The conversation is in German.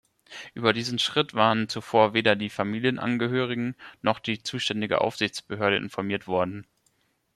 Über diesen Schritt waren zuvor weder die Familienangehörigen, noch die zuständige Aufsichtsbehörde informiert worden.